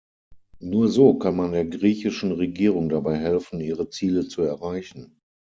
Nur so kann man der griechischen Regierung dabei helfen, ihre Ziele zu erreichen.